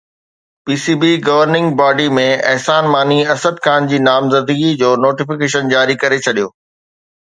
P C B governing body ۾ Ehsan Mani Asad Khan جي نامزدگي جو نوٽيفڪيشن جاري ڪري ڇڏيو